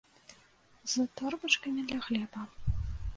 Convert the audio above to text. З торбачкамі для хлеба.